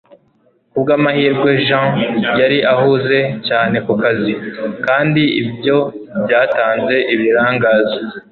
Kubwamahirwe Jean yari ahuze cyane kukazi, kandi ibyo byatanze ibirangaza